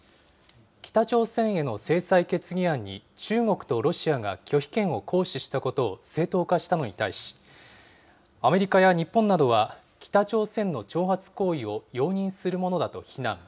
北朝鮮への制裁決議案に中国とロシアが拒否権を行使したことを正当化したのに対し、アメリカや日本などは、北朝鮮の挑発行為を容認するものだと非難。